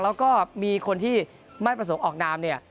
แล้วก็มีคนที่ไม่ประสงค์ออกนามเนี่ย